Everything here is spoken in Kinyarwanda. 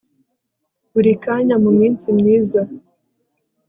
Buri kanya muminsi myiza